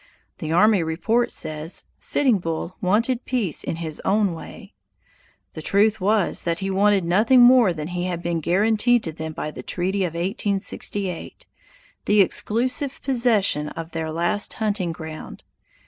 The army report says: "Sitting Bull wanted peace in his own way." The truth was that he wanted nothing more than had been guaranteed to them by the treaty of 1868 the exclusive possession of their last hunting ground.